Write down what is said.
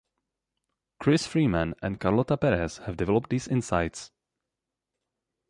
Chris Freeman and Carlota Perez have developed these insights.